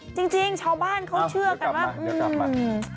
จริงชาวบ้านเขาเชื่อแต่ว่าอืมอืมเดี๋ยวกลับมา